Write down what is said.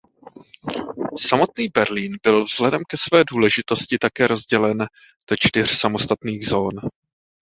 Samotný Berlín byl vzhledem ke své důležitosti také rozdělen do čtyř samostatných zón.